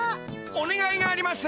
おねがいがあります！